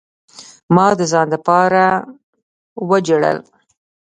ما د ځان د پاره وجړل.